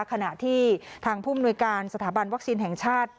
ขณะที่ทางผู้มนุยการสถาบันวัคซีนแห่งชาติ